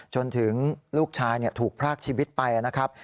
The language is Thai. จนถึงลูกชายถูกพรากชีวิตไปนะครับ